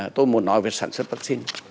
tôi muốn nói về sản xuất vắc xin